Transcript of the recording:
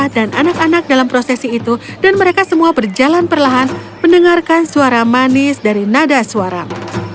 anak anak dalam prosesi itu dan mereka semua berjalan perlahan mendengarkan suara manis dari nada suara